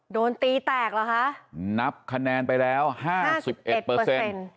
โดนตีแตกเหรอคะนับคะแนนไปแล้วห้าสิบเอ็ดเปอร์เซ็นต์